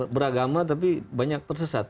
beragama tapi banyak tersesat